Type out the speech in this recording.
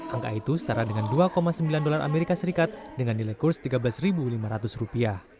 angka itu setara dengan dua sembilan dolar amerika serikat dengan nilai kurs rp tiga belas lima ratus